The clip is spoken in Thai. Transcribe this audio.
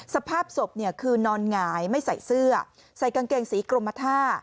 สภาพศพเนี่ยคือนอนหงายไม่ใส่เสื้อใส่กางเกงสีกรมท่า